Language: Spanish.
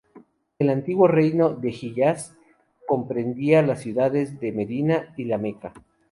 El antiguo reino de Hiyaz comprendía las ciudades de Medina y La Meca.